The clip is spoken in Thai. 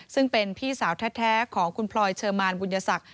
ซึ่งเป็นพี่สาวแท้ของคุณพลอยเชอร์มานบุญยศักดิ